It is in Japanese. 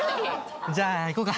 じゃあ行こうか。